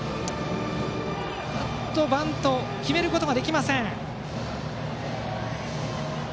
ここはバントを決めることができません。